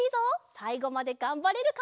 さいごまでがんばれるか？